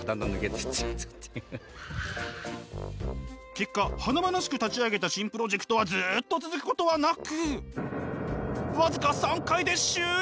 結果華々しく立ち上げた新プロジェクトはＺＯＯっと続くことはなく僅か３回で終了！？